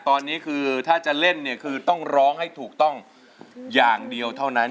แล้วธานยีคือถ้าจะเล่นคือต้องร้องให้ถูกต้องอย่างเดียวเท่านั้น